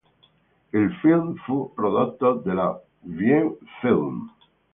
Il film fu prodotto dalla Wien Film.